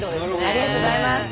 ありがとうございます。